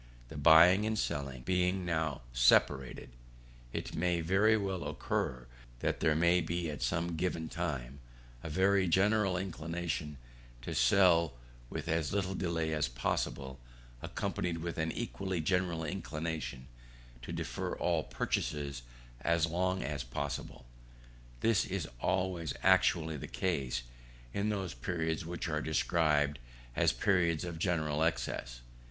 The buying and selling being now separated, it may very well occur, that there may be, at some given time, a very general inclination to sell with as little delay as possible, accompanied with an equally general inclination to defer all purchases as long as possible. This is always actually the case, in those periods which are described as periods of general excess.